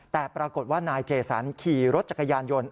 แต่ปรากฏว่านายเจสันขี่รถจักรยานยนต์